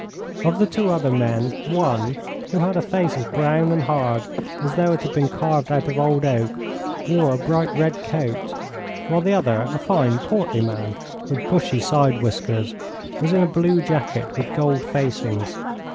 Of the two other men, one, who had a face as brown and hard as though it had been carved out of old oak, wore a bright red coat, while the other, a fine portly man with bushy side whiskers, was in a blue jacket with gold facings.